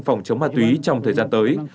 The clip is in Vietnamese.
phòng chống ma túy trong thời gian tới